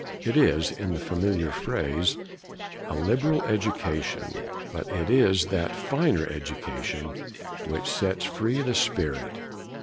It is, in the familiar phrase, 'a liberal education'; but it is that finer education which sets free the spirit.